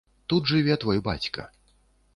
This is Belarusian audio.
Тут жыве твой бацька.